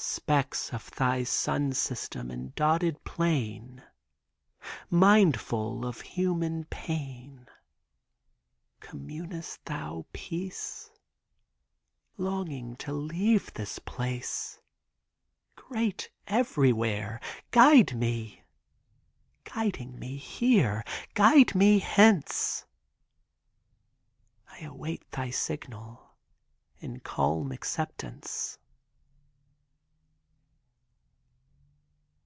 Specks are thy sun system In dotted plain! Mindful of human pain— Communest thou peace? Longing to leave this place. Great everywhere, guide me, Guiding me here, guide me hence. I await thy signal In calm acceptance.